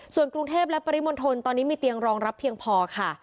ส่วนกรุงเทพและปริมณฑลตอนนี้มีเตียงรองรับเพียงพอค่ะ